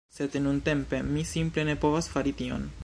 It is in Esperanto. Sed nuntempe, mi simple ne povas fari tion